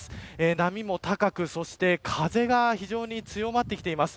波も高くそして風が非常に強まってきています。